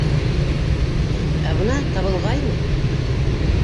Ә бына табылғайны...